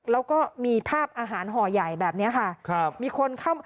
แล้วก็มีภาพอาหารห่อใหญ่แบบนี้ค่ะ